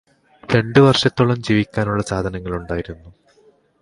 രണ്ടു വര്ഷത്തോളം ജീവിക്കാനുള്ള സാധനങ്ങള് ഉണ്ടായിരുന്നു